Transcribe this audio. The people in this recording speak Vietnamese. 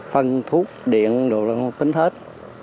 phân thuốc điện đồ đó tính hết